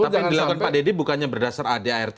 tapi yang dilakukan pak deddy bukannya berdasar adart